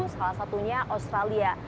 salah satunya australia